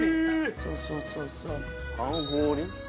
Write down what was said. そうそうそうそう半凍り？